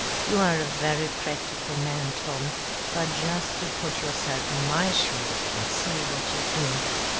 You are a very practical man, Tom, but just you put yourself in my shoes and see what you'd do.